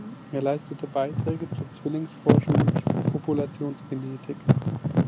Er leistete Beiträge zur Zwillingsforschung und Populationsgenetik.